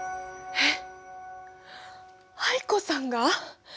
えっ？